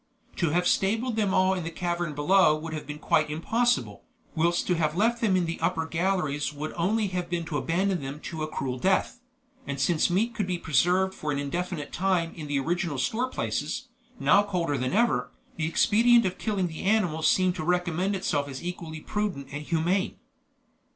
To have stabled them all in the cavern below would have been quite impossible, whilst to have left them in the upper galleries would only have been to abandon them to a cruel death; and since meat could be preserved for an indefinite time in the original store places, now colder than ever, the expedient of killing the animals seemed to recommend itself as equally prudent and humane.